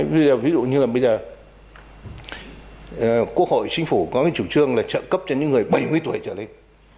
ví dụ như là bây giờ quốc hội chính phủ có cái chủ trương là trợ cấp cho những người bảy mươi tuổi trở lên